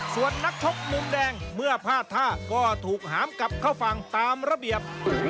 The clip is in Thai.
ส่วนนักชกมุมแดงเมื่อพลาดท่าก็ถูกหามกลับเข้าฝั่งตามระเบียบ